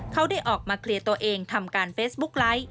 เขาได้ออกมาเคลียร์ตัวเองทำการเฟซบุ๊กไลค์